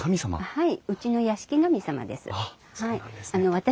はい。